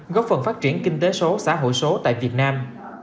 góp phần phát triển kinh tế số xã hội số tại việt nam